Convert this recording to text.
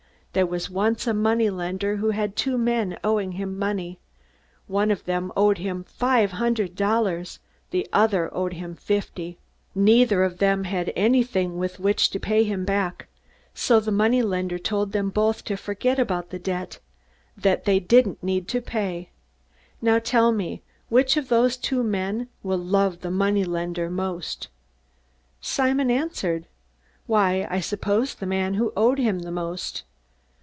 "There was once a moneylender who had two men owing him money. One of them owed him five hundred dollars, the other owed him fifty. Neither of them had anything with which to pay him back, so the moneylender told them both to forget about the debt that they didn't need to pay. Now tell me which of those two men will love the moneylender most?" Simon answered, "Why, I suppose the man who owed him the most."